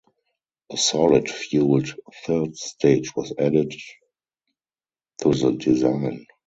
A solid-fueled third stage was added to the design.